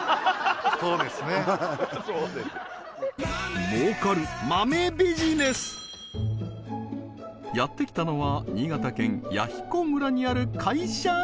そうですねやってきたのは新潟県弥彦村にある会社？